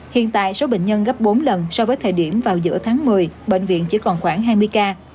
hiện tại số bệnh nhân gấp bốn lần so với thời điểm vào giữa tháng một mươi bệnh viện chỉ còn khoảng hai mươi ca